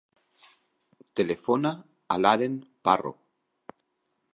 Telefona a l'Aren Parro.